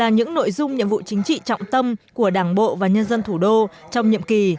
những nội dung nhiệm vụ chính trị trọng tâm của đảng bộ và nhân dân thủ đô trong nhiệm kỳ